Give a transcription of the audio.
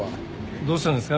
どうしたんですか？